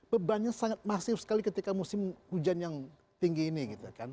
bebannya sangat masif sekali ketika musim hujan yang tinggi ini gitu kan